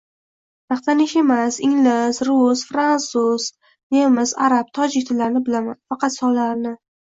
Maqtanish emas, ingliz, rus, fransuz, nemis, arab, tojik tillarini bilaman. Faqat sonlarni..